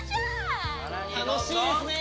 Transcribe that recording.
楽しいですね。